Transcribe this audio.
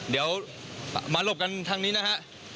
เดี๋ยวมาหลบกันทางนี้นะฮะ